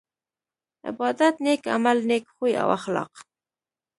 عبادت نيک عمل نيک خوي او اخلاق